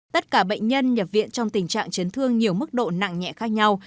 tất cả bệnh nhân nhập viện trong tình trạng chấn thương nhiều mức độ nặng nhẹ khác nhau